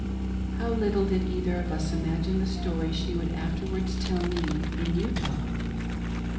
How little did we either of us imagine the story she would afterwards tell me in Utah